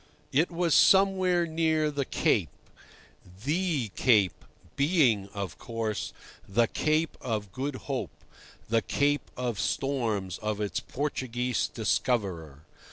It was somewhere near the Cape—The Cape being, of course, the Cape of Good Hope, the Cape of Storms of its Portuguese discoverer.